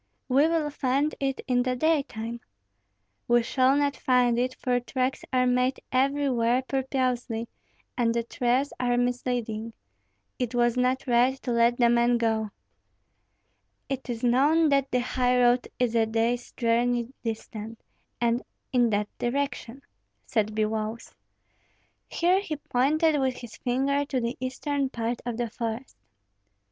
"We will find it in the daytime." "We shall not find it, for tracks are made everywhere purposely, and the trails are misleading. It was not right to let the man go." "It is known that the highroad is a day's journey distant, and in that direction," said Biloüs. Here he pointed with his finger to the eastern part of the forest.